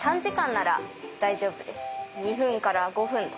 ２分から５分とか。